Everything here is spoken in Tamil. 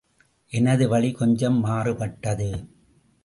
எனது வழி கொஞ்சம் மாறுபட்டது.